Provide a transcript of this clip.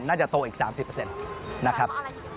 น่าจะโตอีก๓๐นะครับ